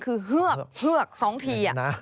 คือเสื้อก๒ที